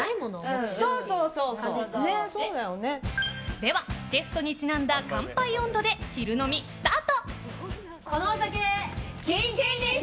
では、ゲストにちなんだ乾杯音頭で昼飲みスタート。